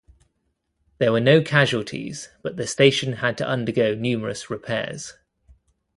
There were no casualties, but the station had to undergo numerous repairs.